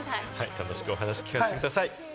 楽しくお話を聞かせてください。